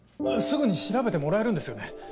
すぐに調べてもらえるんですよね？